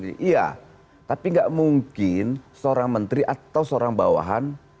iya tapi nggak mungkin seorang menteri atau seorang bawahan